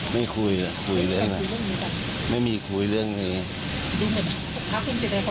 ไม่คุยคุยเรื่องไม่มีคุยเรื่องอีก